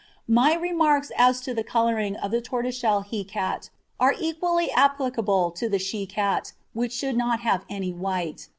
My remarks as to the colouring of the tortoiseshell he cat are equally applicable to the she cat, which should not have any white.